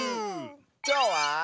きょうは。